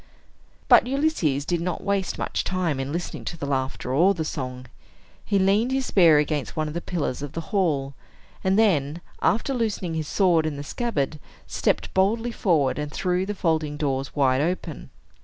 But Ulysses did not waste much time in listening to the laughter or the song. He leaned his spear against one of the pillars of the hall, and then, after loosening his sword in the scabbard, stepped boldly forward, and threw the folding doors wide open.